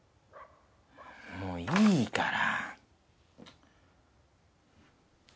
もういいから！